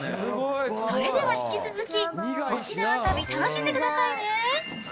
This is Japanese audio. それでは引き続き、沖縄旅、楽しんでくださいね。